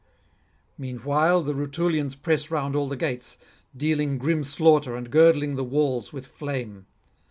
Meanwhile the Rutulians press round all the gates, dealing grim slaughter and girdling the walls with flame.